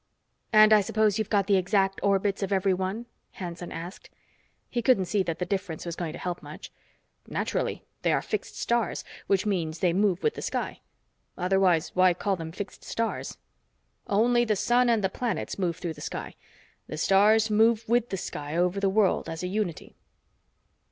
"And I suppose you've got the exact orbits of every one?" Hanson asked. He couldn't see that the difference was going to help much. "Naturally. They are fixed stars, which means they move with the sky. Otherwise, why call them fixed stars? Only the sun and the planets move through the sky. The stars move with the sky over the world as a unity."